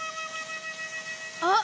あっ！